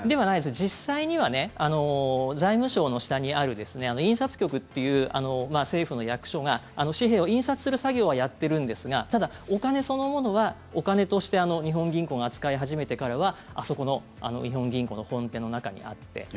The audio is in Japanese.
実際には財務省の下にある印刷局っていう政府の役所が紙幣を印刷する作業はやってるんですがただ、お金そのものはお金として日本銀行が扱い始めてからはあそこの日本銀行の本店の中にあって。